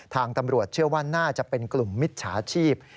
ทางตำรวจเชื่อว่าน่าจะเป็นกลุ่มมิจฉาชีพ